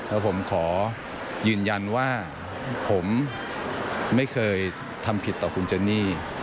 แล้วผมขอยืนยันว่าผมไม่เคยทำผิดต่อคุณเจนี่